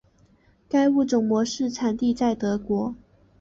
该物种的模式产地在德国。